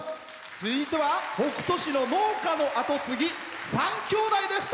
続いては、北斗市の農家の跡継ぎ３きょうだいです。